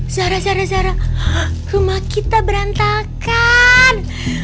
zara zara zara rumah kita berantakan